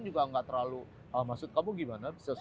juga nggak terlalu maksud kamu gimana bisa saya bantu